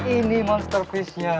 ini monster fish nya